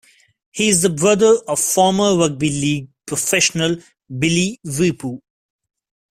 He is the brother of former rugby league professional Billy Weepu.